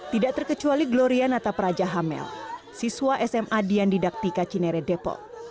tidak terkecuali gloria natapraja hamel siswa sma dian didaktika cineret depok